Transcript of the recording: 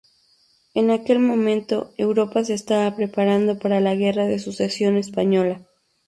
En aquel momento Europa se estaba preparando para la Guerra de Sucesión Española.